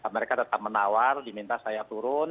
mereka tetap menawar diminta saya turun